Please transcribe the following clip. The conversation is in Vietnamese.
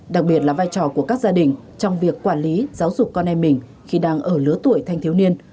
đặc biệt là vai trò của các gia đình trong việc quản lý giáo dục con em mình khi đang ở lứa tuổi thanh thiếu niên